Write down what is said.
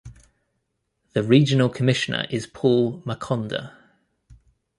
The regional commissioner is Paul Makonda.